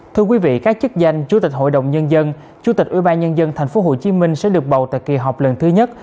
thưa quý vị các chức danh chủ tịch hội đồng nhân dân chủ tịch ubnd tp hcm sẽ được bầu tại kỳ họp lần thứ nhất